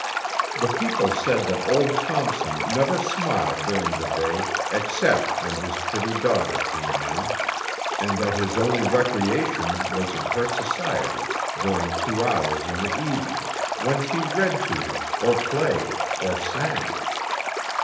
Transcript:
The people said that old Thompson never smiled during the day except when his pretty daughter came in, and that his only recreation was in her society during two hours in the evening, when she read to him, or played, or sang.